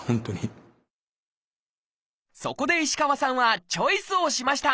そこで石川さんはチョイスをしました！